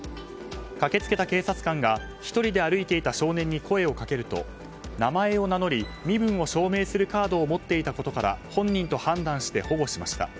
駆けつけた警察官が、１人で歩いていた少年に声をかけると名前を名乗り身分を証明するカードを持っていたことから本人と判断して保護しました。